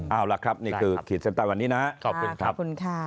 เอาล่ะครับนี่คือขีดเซ็นต์ตอนนี้นะครับขอบคุณครับ